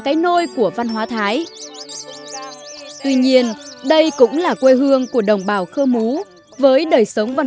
cái nôi của văn hóa thái tuy nhiên đây cũng là quê hương của đồng bào khơ mú với đời sống văn